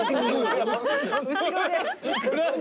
後ろで。